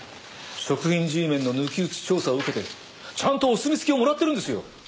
食品Ｇメンの抜き打ち調査を受けてちゃんとお墨付きをもらってるんですよ。